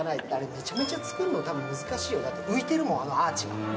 めちゃくちゃ作るの難しいよ、だって浮いてるもん、あのアーチが。